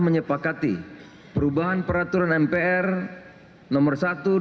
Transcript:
menyepakati perubahan peraturan mpr nomor satu dua ribu